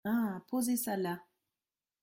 Ah ! posez ça là.